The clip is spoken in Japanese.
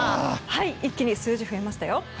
一気に数字が増えましたよ。